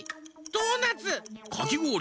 ドーナツ。